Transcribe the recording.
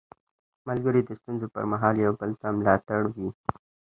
ملګري د ستونزو پر مهال یو بل ته ملا تړ وي